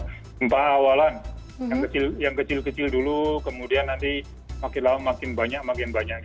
gempa awalan yang kecil kecil dulu kemudian nanti makin lama makin banyak makin banyak